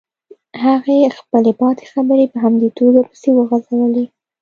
هغې خپلې پاتې خبرې په همدې توګه پسې وغزولې.